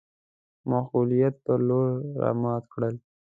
د معقوليت پر لور رامات کړل.